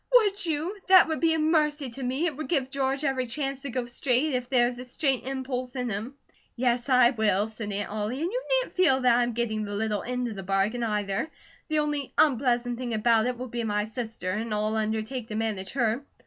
"Would you? That would be a mercy to me; it would give George every chance to go straight, if there is a straight impulse in him." "Yes, I will," said Aunt Ollie, "and you needn't feel that I am getting the little end of the bargain, either. The only unpleasant thing about it will be my sister, and I'll undertake to manage her.